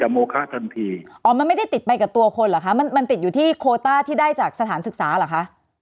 อ้อมันไม่ได้ติดได้หรือคะมันติดอยู่ที่โควต้าที่ได้จากสถานศึกษาหรือคะ